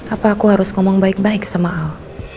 apa aku harus ngomong baik baik sama allah